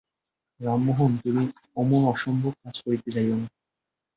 রামমোহন, তুমি অমন অসম্ভব কাজ করিতে যাইয়ো না।